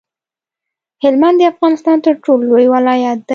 هلمند د افغانستان تر ټولو لوی ولایت دی